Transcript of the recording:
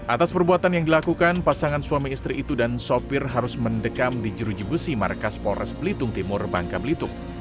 atas perbuatan yang dilakukan pasangan suami istri itu dan sopir harus mendekam di jeruji besi markas polres belitung timur bangka belitung